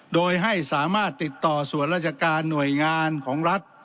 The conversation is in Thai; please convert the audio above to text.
โดยให้สามารถติดต่อส่วนราชการหน่วยงานของรัฐ